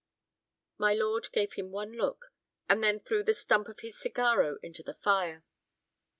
My lord gave him one look, and then threw the stump of his cigarro into the fire.